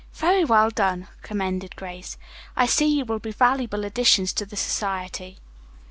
"Very well done," commended Grace. "I see you will be valuable additions to the society."